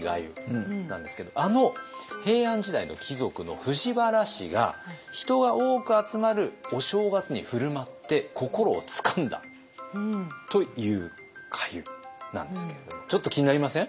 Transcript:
なんですけどあの平安時代の貴族の藤原氏が人が多く集まるお正月に振る舞って心をつかんだという粥なんですけれどもちょっと気になりません？